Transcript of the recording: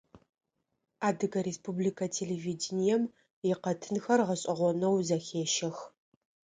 Адыгэ республикэ телевидением икъэтынхэр гъэшӀэгъонэу зэхещэх.